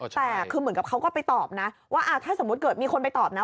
แต่คือเหมือนกับเขาก็ไปตอบนะว่าถ้าสมมุติเกิดมีคนไปตอบนะ